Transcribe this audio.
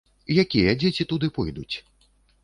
Якія дзеці туды пойдуць?